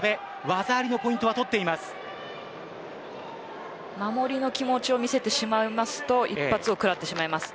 技ありのポイントは守りの気持ちを見せてしまいますと一発を食らってしまいます。